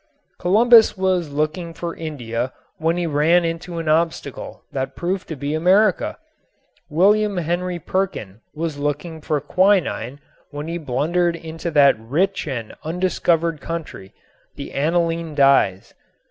Columbus was looking for India when he ran into an obstacle that proved to be America. William Henry Perkin was looking for quinine when he blundered into that rich and undiscovered country, the aniline dyes.